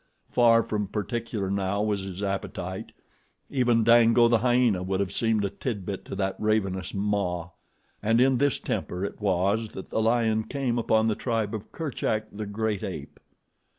Far from particular now was his appetite. Even Dango, the hyena, would have seemed a tidbit to that ravenous maw. And in this temper it was that the lion came upon the tribe of Kerchak, the great ape.